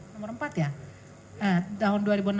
nomor empat ya tahun dua ribu enam belas